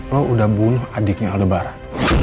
lo udah bunuh adiknya lebaran